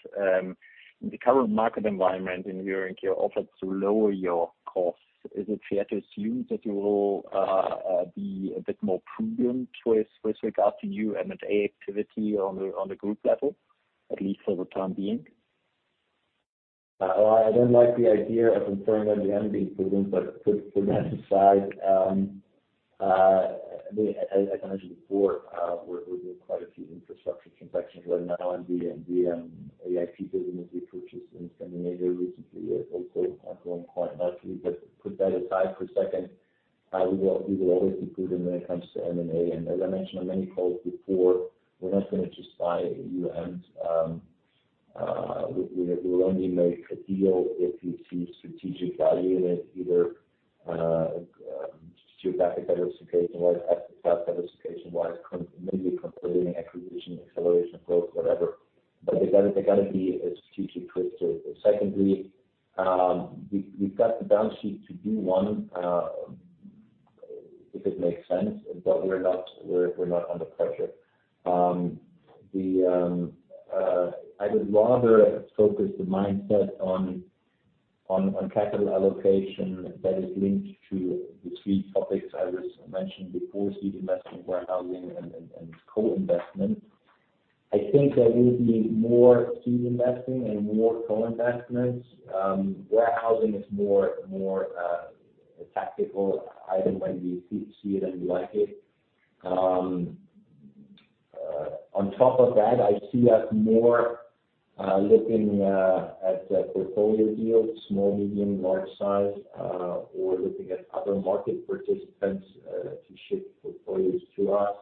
in the current market environment, in hearing your efforts to lower your costs, is it fair to assume that you will be a bit more prudent with regard to your M&A activity on the group level, at least for the time being? I don't like the idea of implying that we are being prudent, but put, put that aside. I mean, as, as I mentioned before, we're, we're doing quite a few infrastructure transactions right now in the AIP business we purchased in Scandinavia recently, also have grown quite nicely. But put that aside for a second. We will, we will always be prudent when it comes to M&A, and as I mentioned on many calls before, we're not going to just buy AUMs. We, we will only make a deal if we see strategic value in it, either, geographic diversification-wise, asset class diversification-wise, con- maybe completing acquisition, acceleration growth, whatever. But they gotta, they gotta be a strategic fit to it. Secondly, we've got the balance sheet to do one, if it makes sense, but we're not under pressure. I would rather focus the mindset on capital allocation that is linked to the three topics I was mentioned before, seed investment, warehousing, and co-investment. I think there will be more seed investing and more co-investments. Warehousing is more tactical item when you see it and you like it. On top of that, I see us more looking at the portfolio deals, small, medium, large size, or looking at other market participants to shift portfolios to us.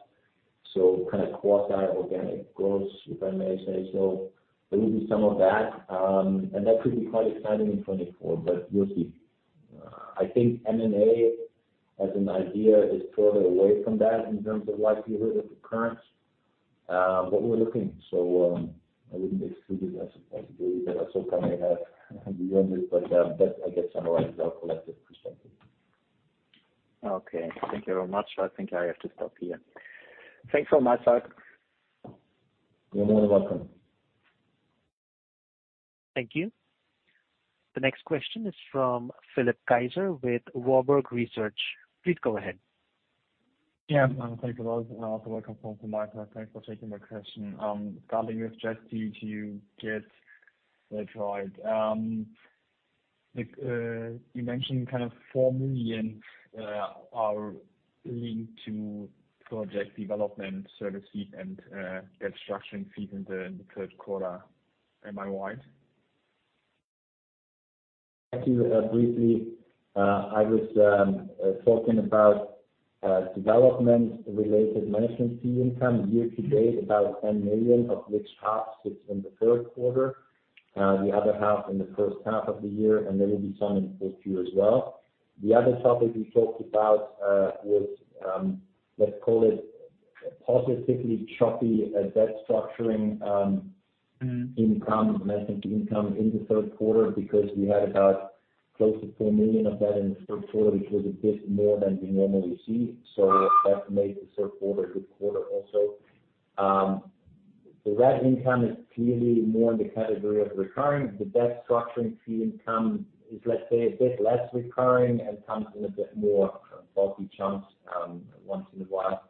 So kind of quasi-organic growth, if I may say so. There will be some of that, and that could be quite exciting in 2024, but we'll see. I think M&A as an idea is further away from that in terms of likelihood at the current, but we're looking. So, I wouldn't exclude it as a possibility, but also coming at the end, but, that, I guess, summarizes our collective perspective. Okay. Thank you very much. I think I have to stop here. Thanks so much, Mark. You're more than welcome. Thank you. The next question is from Philipp Kaiser with Warburg Research. Please go ahead. Yeah, thank you both, and also welcome [from my side]. Thanks for taking my question. Regarding your strategy to get that right, like, you mentioned kind of 4 million are linked to project development service fee and, debt structuring fee in the third quarter. Am I right? Thank you. Briefly, I was talking about development-related management fee income year to date, about 10 million, of which half sits in the third quarter, the other half in the first half of the year, and there will be some in the fourth year as well. The other topic we talked about was, let's call it positively choppy, a debt structuring, Mm-hmm. -income, management income in the third quarter, because we had about close to 4 million of that in the third quarter, which was a bit more than we normally receive. So that made the third quarter a good quarter also. So that income is clearly more in the category of recurring. The debt structuring fee income is, let's say, a bit less recurring and comes in a bit more bulky chunks, once in a while.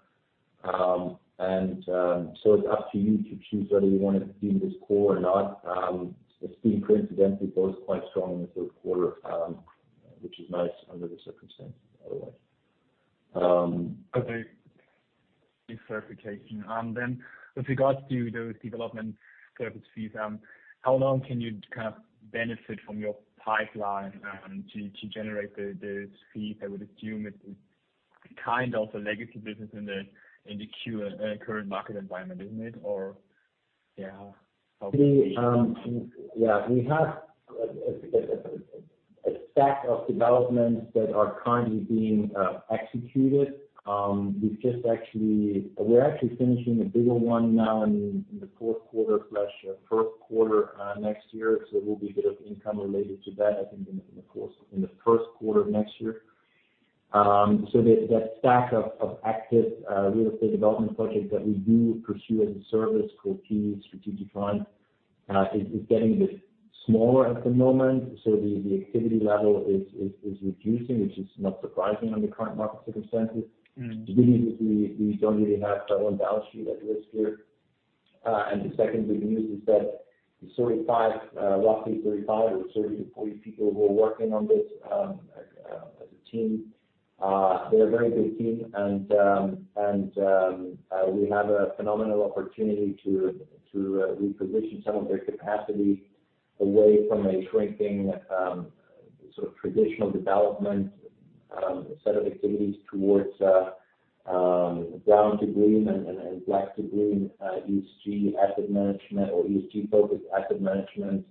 So it's up to you to choose whether you want to view this core or not. The seeding, coincidentally, goes quite strong in the third quarter, which is nice under the circumstances, by the way. Okay. Clarification. Then with regards to those development service fees, how long can you kind of benefit from your pipeline, to generate those fees? I would assume it's kind of a legacy business in the current market environment, isn't it? Or, yeah. Yeah, we have a stack of developments that are currently being executed. We've just actually we're actually finishing a bigger one now in the fourth quarter/first quarter next year. So there will be a bit of income related to that, I think, in the course, in the first quarter of next year. So that stack of active real estate development projects that we do pursue as a service called The Strategic Fund is getting a bit smaller at the moment. So the activity level is reducing, which is not surprising under current market circumstances. Mm. Good news is we don't really have our own balance sheet at risk here. And the second good news is that the 35, roughly 35 or 30-40 people who are working on this, as a team, they're a very good team and we have a phenomenal opportunity to reposition some of their capacity away from a shrinking sort of traditional development set of activities towards brown-to-green, and black-to-green, ESG asset management or ESG-focused asset management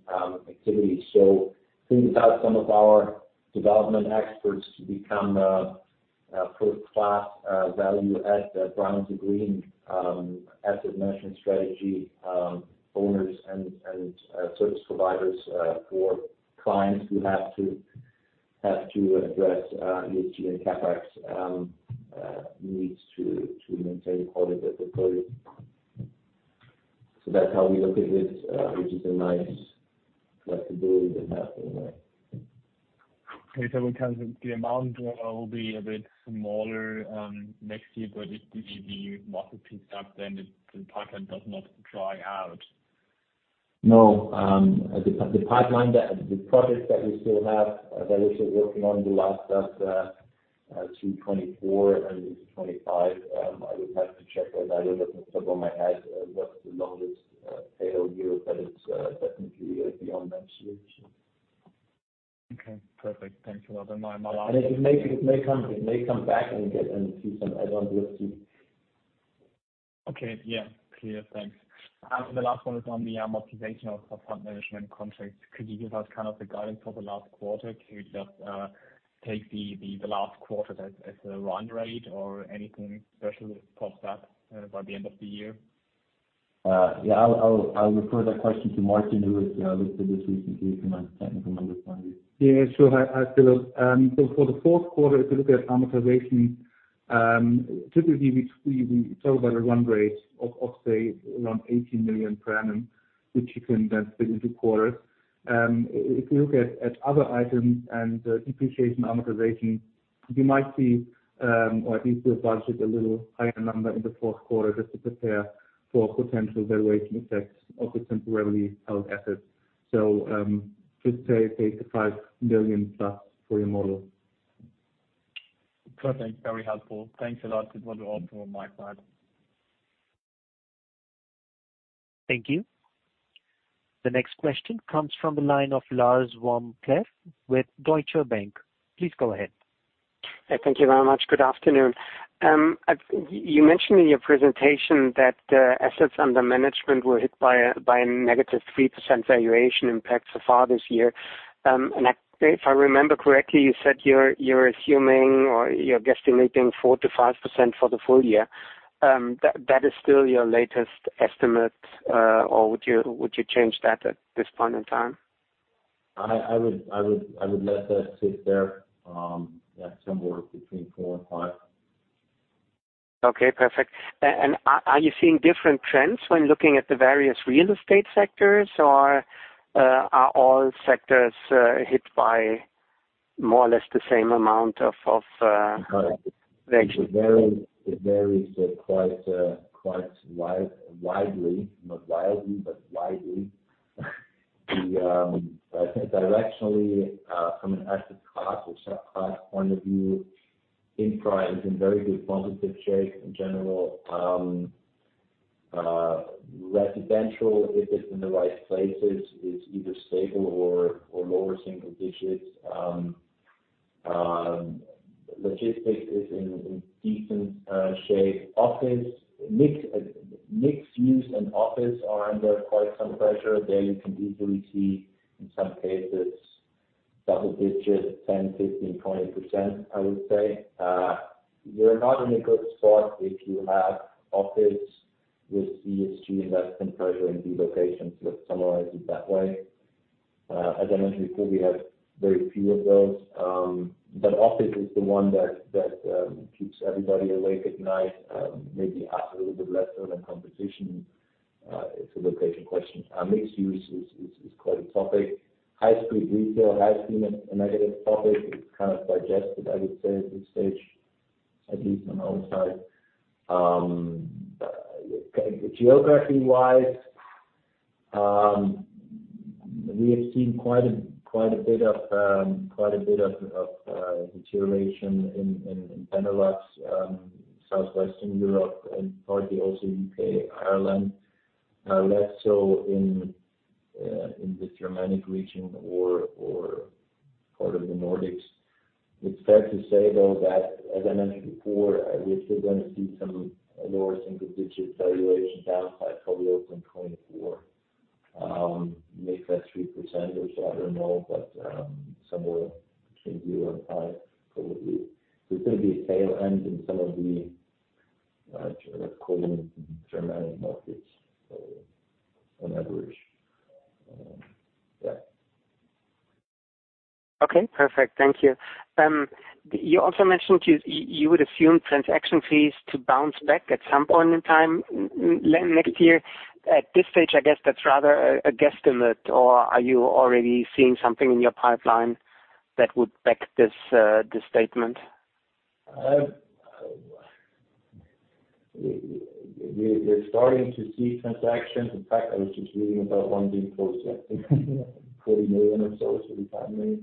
activities. So think about some of our development experts to become a first-class value-add brown-to-green asset management strategy, owners and service providers for clients who have to address ESG and CapEx needs to maintain quality of the property. So that's how we look at it, which is a nice flexibility that we have in there. Okay, so in terms of the amount draw will be a bit smaller next year, but if the market picks up, then the pipeline does not dry out? No, the projects that we still have, that we're still working on the last step, 2024 and 2025, I would have to check that. I don't know off the top of my head what's the longest tail year, but it's definitely beyond next year, so. Okay, perfect. Thank you very much. It may come back and get into some add-on deal too. Okay. Yeah. Clear. Thanks. The last one is on the amortization of fund management contracts. Could you give us kind of the guidance for the last quarter? Could you just take the last quarter as a run rate or anything special popped up by the end of the year? Yeah, I'll refer that question to Martin, who has looked at this recently from a technical number point of view. Yeah, sure. Hi, Philip. So for the fourth quarter, if you look at amortization, typically, we talk about a run rate of, say, around 80 million per annum, which you can then fit into quarters. If you look at other items and depreciation amortization, you might see, or at least we budget a little higher number in the fourth quarter just to prepare for potential valuation effects of the temporarily held assets. So, just say 5 million plus for your model. Perfect. Very helpful. Thanks a lot. That's all from my side. Thank you. The next question comes from the line of Lars vom Cleff with Deutsche Bank. Please go ahead. Thank you very much. Good afternoon. You mentioned in your presentation that assets under management were hit by a -3% valuation impact so far this year. And if I remember correctly, you said you're assuming or you're guesstimating 4%-5% for the full year. That is still your latest estimate, or would you change that at this point in time? I would let that sit there at somewhere between 4% and 5%. Okay, perfect. And are you seeing different trends when looking at the various real estate sectors, or are all sectors hit by more or less the same amount of valuation? It varies, it varies quite widely, not wildly, but widely. The, I think directionally, from an asset class or sub-class point of view, infra is in very good positive shape in general. Residential, if it's in the right places, is either stable or lower single digits. Logistics is in decent shape. Office, mixed use and office are under quite some pressure. There you can easily see, in some cases, double digits, 10%, 15%, 20%, I would say. You're not in a good spot if you have office with ESG investment pressure in these locations. Let's summarize it that way. As I mentioned before, we have very few of those. But office is the one that keeps everybody awake at night, maybe us a little bit less so than competition. It's a location question. Our mixed use is quite a topic. High street retail has been a negative topic. It's kind of digested, I would say, at this stage, at least on our side. Geography-wise, we have seen quite a bit of deterioration in Benelux, Southwestern Europe and partly also UK, Ireland. Less so in the Germanic region or part of the Nordics. It's fair to say, though, that, as I mentioned before, we're still going to see some lower single-digit valuation downside probably in 2024. Make that 3% or so, I don't know, but somewhere between 0% and 5%, probably. There's going to be tail end in some of the, let's call it Germanic markets on average. Yeah. Okay, perfect. Thank you. You also mentioned you would assume transaction fees to bounce back at some point in time next year. At this stage, I guess that's rather a guesstimate, or are you already seeing something in your pipeline that would back this statement? We're starting to see transactions. In fact, I was just reading about one being closed yesterday. 40 million or so, it's pretty timely.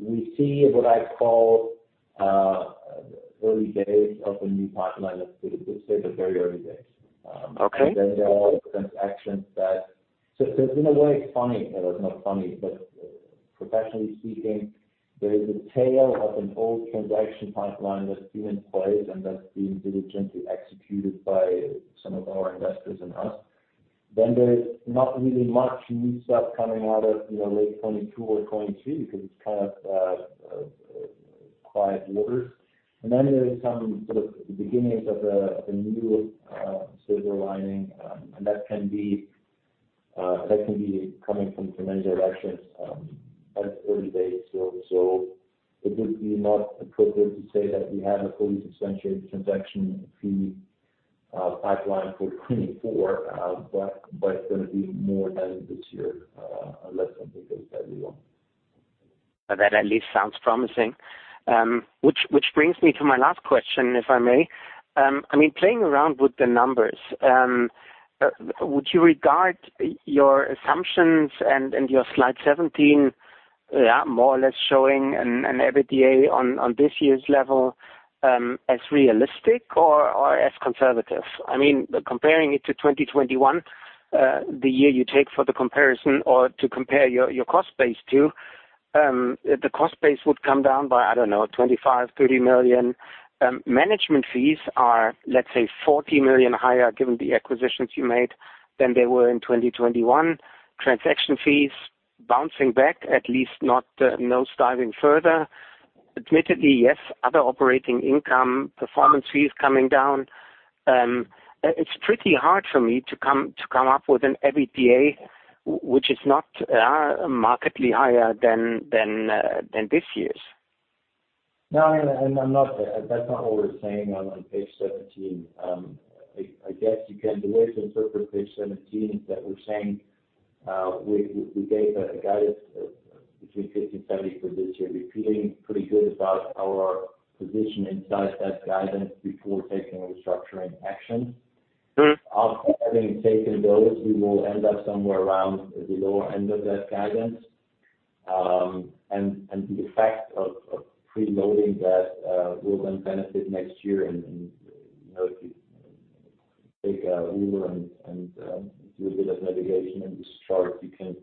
We see what I'd call early days of a new pipeline. Let's put it this way, the very early days. Okay. And then there are transactions that. So, so in a way, it's funny. It was not funny, but professionally speaking, there is a tail of an old transaction pipeline that's still in place and that's being diligently executed by some of our investors and us. Then there's not really much new stuff coming out of, you know, late 2022 or 2023, because it's kind of quiet waters. And then there's some sort of beginnings of a new silver lining, and that can be coming from many directions, at early days. So, so it would be not appropriate to say that we have a fully substantiated transaction fee pipeline for 2024. But, it's gonna be more than this year, unless something goes badly wrong. That at least sounds promising. Which, which brings me to my last question, if I may. I mean, playing around with the numbers, would you regard your assumptions and, and your slide 17, yeah, more or less showing an, an EBITDA on, on this year's level, as realistic or, or as conservative? I mean, comparing it to 2021, the year you take for the comparison or to compare your, your cost base to, the cost base would come down by, I don't know, 25 million-30 million. Management fees are, let's say, 40 million higher, given the acquisitions you made than they were in 2021. Transaction fees bouncing back, at least not, no diving further. Admittedly, yes, other operating income performance fees coming down. It's pretty hard for me to come up with an EBITDA, which is not markedly higher than this year's. No, I'm not. That's not what we're saying on page seventeen. I guess you can maybe interpret page seventeen that we're saying we gave a guidance between 50 million and 70 million for this year. We're feeling pretty good about our position inside that guidance before taking restructuring action. Mm-hmm. After having taken those, we will end up somewhere around the lower end of that guidance. And the effect of preloading that will then benefit next year. And you know, if you take a ruler and do a bit of navigation in this chart, you can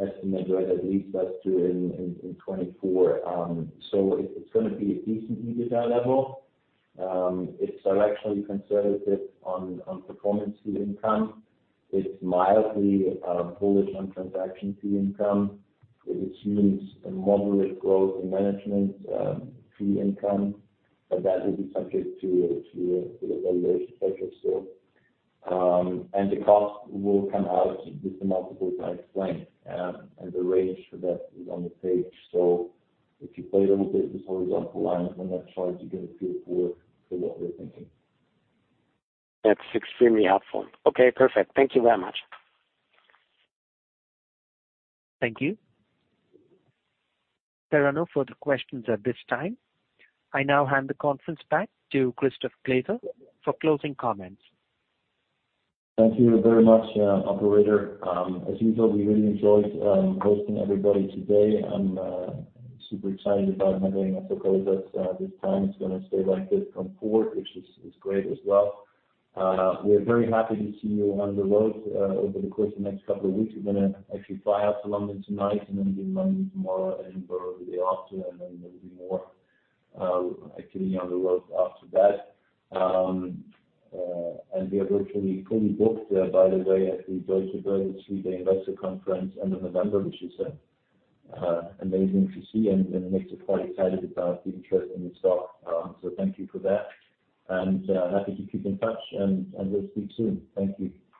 estimate right at least that's two in 2024. So it's gonna be a decent EBITDA level. It's directionally conservative on performance fee income. It's mildly bullish on transaction fee income. It assumes a moderate growth in management fee income, but that will be subject to the valuation effect of still. And the cost will come out with the multiple I explained, and the range for that is on the page. So if you play a little bit with horizontal lines on that chart, you get a feel for what we're thinking. That's extremely helpful. Okay, perfect. Thank you very much. Thank you. There are no further questions at this time. I now hand the conference back to Christoph Glaser for closing comments. Thank you very much, operator. As usual, we really enjoyed hosting everybody today. I'm super excited about having Asoka with us this time. It's gonna stay like this from forward, which is great as well. We're very happy to see you on the road. Over the course of the next couple of weeks, we're gonna actually fly out to London tonight, and then be in London tomorrow and the day after, and then there'll be more activity on the road after that. And we are virtually fully booked, by the way, at the Deutsche Bank three-day investor conference end of November, which is amazing to see and makes us quite excited about the interest in the stock. So thank you for that, and happy to keep in touch, and we'll speak soon. Thank you.